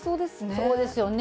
そうですよね。